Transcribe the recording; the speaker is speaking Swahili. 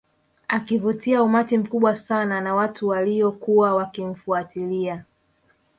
Akivutia umati mkubwa sana wa watu walio kuwa wakimfuatilia